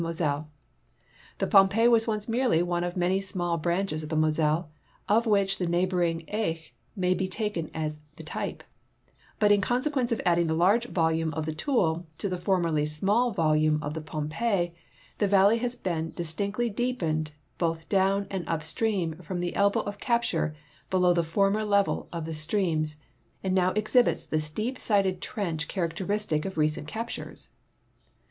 Moselle, 'flie Pompev was once inerelv one of m a n v s in a 1 1 branches of the Moselle, of which the neighboring .Ache mav be taken as the tvpe; but in consetiuence of adding the large vol 230 THE SEINE, THE MEUSE, AND THE MOSELLE lime of tlie Toul to the formerly small volume of the Pompe}% tlie valley has been distinctly deepened both down and iii) stream from the elbow of capture below the former level of the streams and now exhibits the steep sided trench characteristic of recent captures.